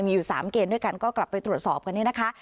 มีอยู่๓เกณฑ์ด้วยกันก็กลับไปตรวจสอบกันเนี่ยนะคะ